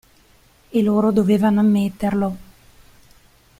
E loro dovevano ammetterlo.